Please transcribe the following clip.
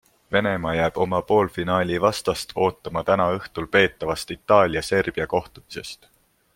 Venemaa jääb oma poolfinaalivastast ootama täna õhtul peetavast Itaalia-Serbia kohtumisest.